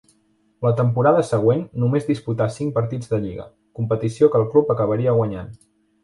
La temporada següent només disputà cinc partits de lliga, competició que el club acabaria guanyant.